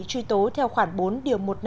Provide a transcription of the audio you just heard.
truy tố theo khoảng bốn điều một trăm năm mươi bảy